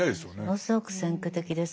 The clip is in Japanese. ものすごく先駆的です。